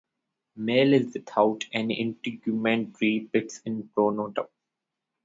Male is without any integumentary pits in pronotum.